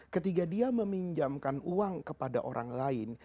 ketika dia meminjamkan uang kepada orang lain